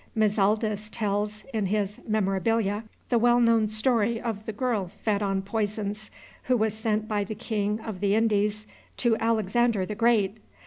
Mizaldus tells, in his "Memorabilia," the well known story of the girl fed on poisons, who was sent by the king of the Indies to Alexander the Great.